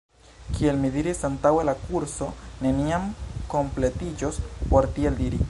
Kiel mi diris antaŭe la kurso neniam kompletiĝos por tiel diri.